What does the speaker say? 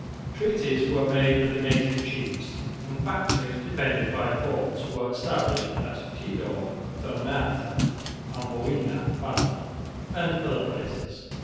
Treaties were made with the native chiefs; and factories defended by forts were established at Tidor, Ternate, Amboina, Banda and other places.